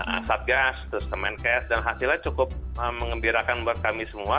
asat gas terus kemenkes dan hasilnya cukup mengembirakan buat kami semua